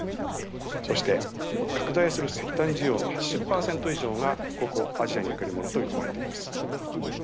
そして拡大する石炭需要の８０％以上がここアジアにおけるものと見込まれています。